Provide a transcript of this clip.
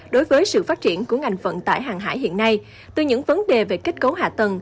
đối với sự phát triển của ngành vận tải hàng hải hiện nay từ những vấn đề về kết cấu hạ tầng